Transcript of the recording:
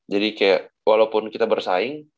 jadi kayak walaupun kita bersaing